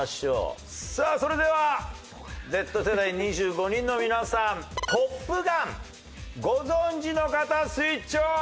さあそれではＺ世代２５人の皆さんトップガンご存じの方スイッチオン！